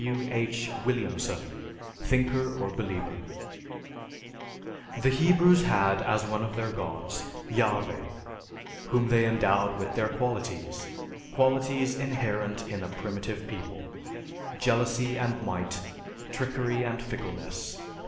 (W. H. Williamson, "Thinker or Believer.") The Hebrews had as one of their gods, Yahveh, whom they endowed with their qualities; qualities inherent in a primitive people: jealousy and might, trickery and fickleness.